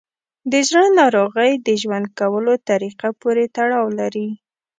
د زړه ناروغۍ د ژوند کولو طریقه پورې تړاو لري.